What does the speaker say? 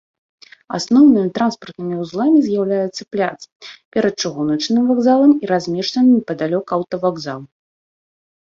Асноўнымі транспартнымі вузламі з'яўляюцца пляц перад чыгуначным вакзалам і размешчаны непадалёк аўтавакзал.